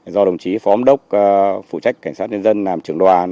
do đồng chí phó ấm đốc phụ trách cảnh sát nhân dân làm trường đoàn